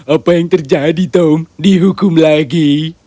apa yang terjadi tom dihukum lagi